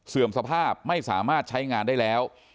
สภาพไม่สามารถใช้งานได้แล้ว